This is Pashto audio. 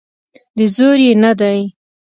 د زور یې نه دی.